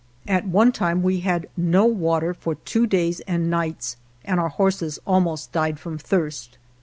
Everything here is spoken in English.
At one time we had no water for two days and nights and our horses almost died from thirst.